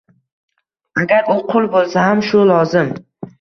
Agar u qul bo'lsa ham shu lozim.